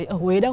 ở huế đâu